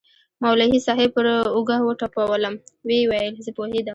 مولوي صاحب پر اوږه وټپولوم ويې ويل زه پوهېدم.